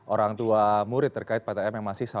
orang tua murid terkait ptm yang masih